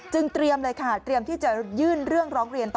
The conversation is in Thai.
เตรียมเลยค่ะเตรียมที่จะยื่นเรื่องร้องเรียนต่อ